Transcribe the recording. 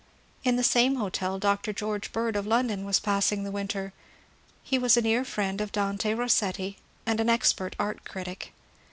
In the same hotel Dr. George Bird of London was passing the winter ; he was a near friend of Dante Bossetti and an expert art critic.